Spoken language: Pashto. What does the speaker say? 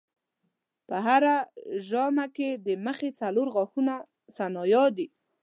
په هره ژامه کې د مخې څلور غاښه ثنایا دي.